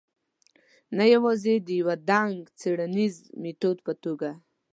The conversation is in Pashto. نه یوازې د یوه نګه څېړنیز میتود په توګه.